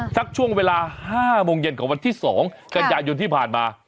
สักช่วงเวลา๕โมงเย็นของวันที่๒กันยายนที่ผ่านมา